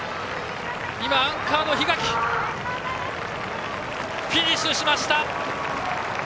今、アンカーの檜垣がフィニッシュしました！